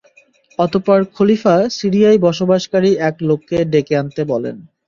অতঃপর খলীফা সিরিয়ায় বসবাসকারী এক লোককে ডেকে আনতে বলেন।